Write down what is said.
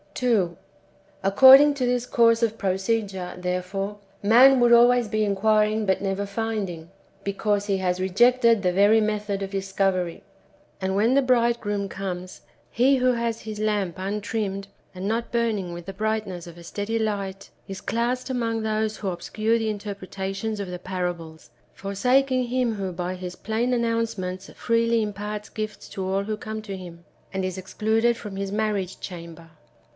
2. According to this course of procedure, therefore, man would always be inquiring but never finding, because he has rejected the very method of discovery. And when the Bride groom^ comes, he who has his lamp untrimmed, and not burning with the brightness of a steady light, is classed among those wdio obscure the interpretations of the parables, forsaking Him who by His plain announcements freely im parts gifts to all who come to Him, and is excluded from His marriage chamber.